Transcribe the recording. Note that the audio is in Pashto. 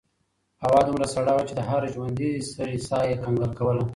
هوا دومره سړه وه چې د هر ژوندي سري ساه یې کنګل کوله.